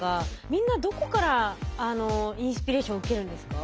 みんなどこからインスピレーション受けるんですか？